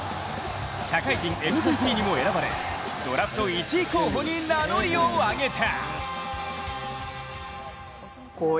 社会人ＭＶＰにも選ばれドラフト１位候補に名乗りを上げた。